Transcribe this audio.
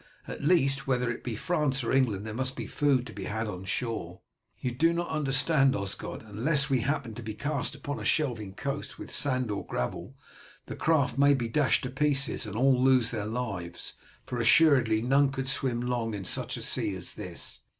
At least, whether it be France or England, there must be food to be had on shore." "You do not understand, Osgod. Unless we happen to be cast upon a shelving coast with sand or gravel the craft may be dashed to pieces, and all lose their lives; for assuredly none could swim long in such a sea as this."